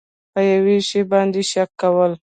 په یو شي باندې شک کول